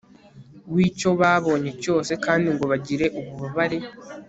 wicyo babonye cyose kandi ngo bagire ububabare